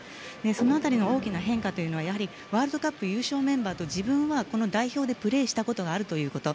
その辺りの大きな変化というのはワールドカップ優勝メンバーと自分は代表でプレーしたことがあるということ。